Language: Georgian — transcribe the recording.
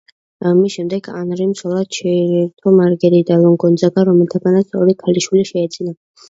მის შემდეგ ანრიმ ცოლად შეირთო მარგერიტა გონძაგა, რომელთანაც ორი ქალიშვილი შეეძინა.